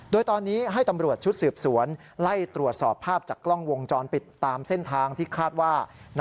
โดยตอนนี้ให้ตำรวจชุดสืบสวน